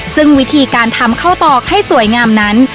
ซึ่งวิธีการทำข้าวตอกให้สวยงามนั้น